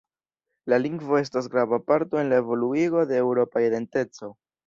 La lingvo estas grava parto en la evoluigo de eŭropa identeco.